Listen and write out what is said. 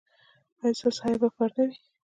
ایا ستاسو حیا به پرده وي؟